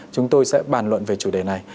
chúng tôi sẽ bàn luận về chủ đề này